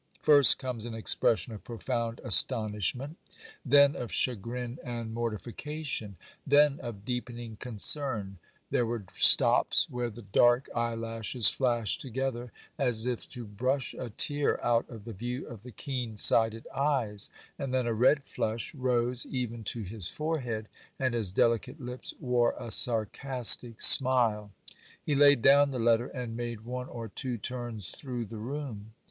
First comes an expression of profound astonishment; then of chagrin and mortification; then of deepening concern; there were stops where the dark eyelashes flashed together as if to brush a tear out of the view of the keen sighted eyes; and then a red flush rose even to his forehead, and his delicate lips wore a sarcastic smile. He laid down the letter and made one or two turns through the room.